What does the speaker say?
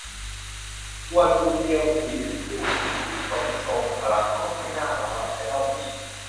กวนอู เตียวหุย เป็นผู้มีอิทธิพล และทรงพลัง ก็ไม่น่ามารับใช้เล่าปี่